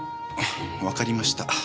わかりました。